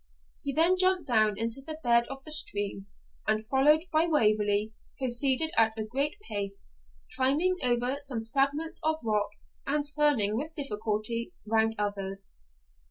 He then jumped down into the bed of the stream, and, followed by Waverley, proceeded at a great pace, climbing over some fragments of rock and turning with difficulty round others.